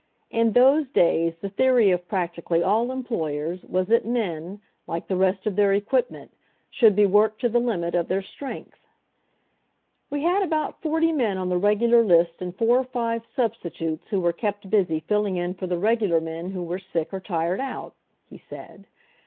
In those days the theory of practically all employers was that men, like the rest of their equipment, should be worked to the limit of their strength. "We had about forty men on the regular list and four or five substitutes who were kept busy filling in for the regular men who were sick or tired out," he said.